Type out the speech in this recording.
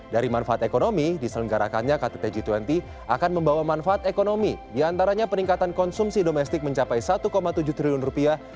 dari manfaat ekonomi diselenggarakannya kttg dua puluh akan membawa manfaat ekonomi diantaranya peningkatan konsumsi domestik mencapai satu tujuh triliun rupiah